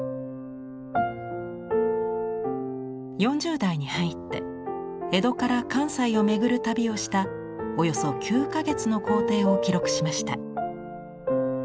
４０代に入って江戸から関西を巡る旅をしたおよそ９か月の行程を記録しました。